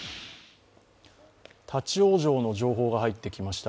立往生の情報が入ってきました。